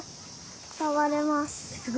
さわれます。